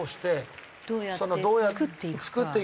どうやって作っていくか。